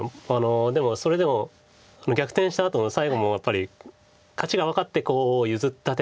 でもそれでも逆転したあと最後もやっぱり勝ちが分かってコウを譲った手とかも。